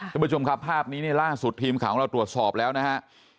คุณผู้ชมครับภาพนี้เนี่ยล่าสุดทีมข่าวของเราตรวจสอบแล้วนะฮะ